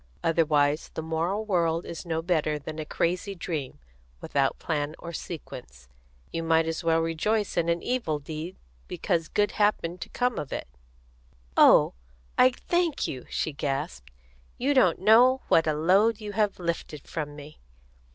Otherwise the moral world is no better than a crazy dream, without plan or sequence. You might as well rejoice in an evil deed because good happened to come of it." "Oh, I thank you!" she gasped. "You don't know what a load you have lifted from me!"